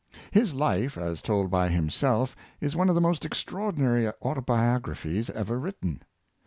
His life, as told by himself, is one of the most extraordinary auto biographies ever written.